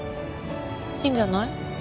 いいんじゃない。